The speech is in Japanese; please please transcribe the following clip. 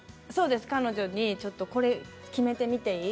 彼女にこれきめてみてもいい？